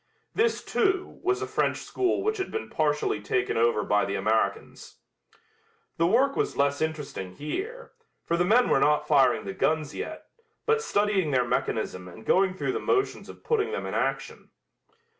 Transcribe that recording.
This, too, was a French school which had been partially taken over by the Americans. The work was less interesting here, for the men were not firing the guns yet, but studying their mechanism and going through the motions of putting them in action.